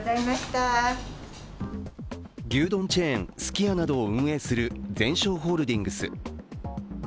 牛丼チェーン、すき家などを運営するゼンショーホールディングス。